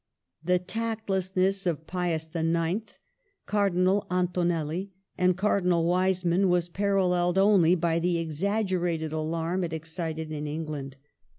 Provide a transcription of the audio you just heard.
The tactlessness of Pius IX., Cardinal Antonelli, and Cardinal Wiseman was paralleled only by the exaggerated alarm it excited in England.